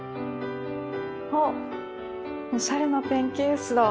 あっおしゃれなペンケースだ。